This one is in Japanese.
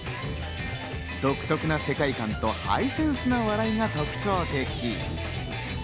独特な世界観とハイセンスな笑いが特徴的。